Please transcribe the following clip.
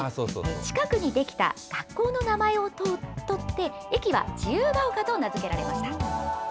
近くに出来た学校の名前を取って、駅は自由が丘と名付けられました。